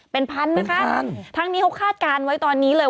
เป็นพันนะคะทั้งนี้เขาคาดการณ์ไว้ตอนนี้เลย